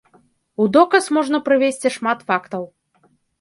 У доказ можна прывесці шмат фактаў.